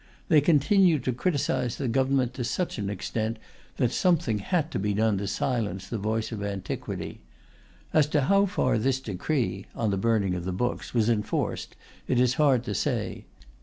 They continued to criticize the government to such an extent that something had to be done to silence the voice of antiquity ... As to how far this decree (on the burning of the books) was enforced, it is hard to say.